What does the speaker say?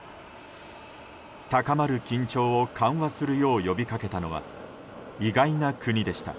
高まる緊張を緩和するよう呼びかけたのは意外な国でした。